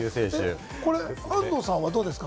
安藤さんはどうですか？